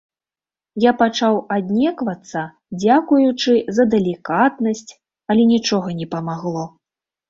Я пачаў аднеквацца, дзякуючы за далікатнасць, але нічога не памагло.